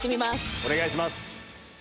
お願いします。